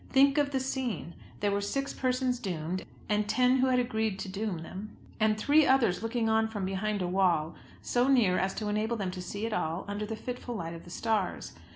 Think of the scene! There were six persons doomed, and ten who had agreed to doom them; and three others looking on from behind a wall, so near as to enable them to see it all, under the fitful light of the stars!